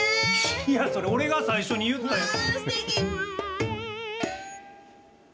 いや、それ、俺が最初に言ったやつ。